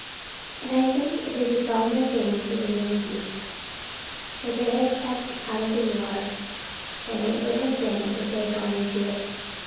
And I think it is a solemner thing for the Yankees that they have kept out of the war than it would have been if they had gone into it.